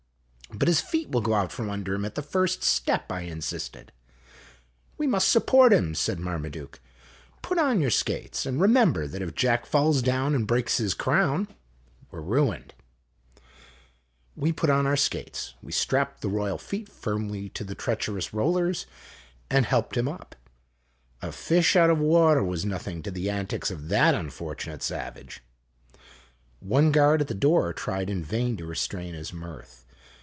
" But his feet will go out from under him at the first step," I insisted. " \Ye must support him," said Marmaduke. " Put on your skates, and remember that if ' Jack falls down and breaks his crown,' we 're ruined ! THE TONGALOO TOURNAMENT 23 We put on our skates ; we strapped the royal feet firmly to the treacherous rollers, and helped him up. A fish out of water was nothing to the antics of that unfortunate savage. One guard at the door tried in vain to restrain his mirth.